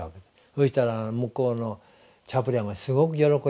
そうしたら向こうのチャプレンはすごく喜びましてね。